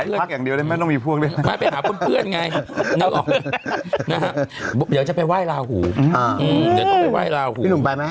เดี๋ยวเราจะไปว่ายลาหนู